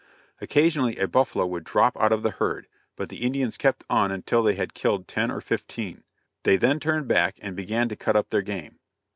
Occasionally a buffalo would drop out of the herd, but the Indians kept on until they had killed ten or fifteen. They then turned back, and began to cut up their game.